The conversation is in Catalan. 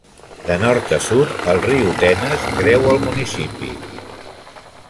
De nord a sud, el riu Tenes creua el municipi.